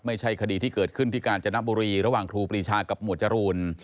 ไม่ใช่คดีที่เกิดขึ้นที่กาญจนบุรีระหว่างครูปรีชากับหมวดจรูน